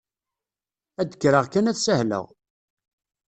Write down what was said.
Ad kkreɣ kan ad sahleɣ.